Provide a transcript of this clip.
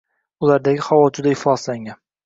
Ulardagi havo juda ifloslangan